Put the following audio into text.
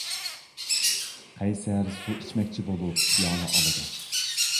قەيسەر سۇ ئىچمەكچى بولۇپ پىيالە ئالىدۇ.